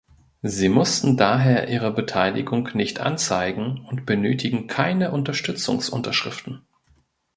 Sie mussten daher ihre Beteiligung nicht anzeigen und benötigen keine Unterstützungsunterschriften.